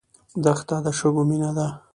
دښته د شګو مینه ده.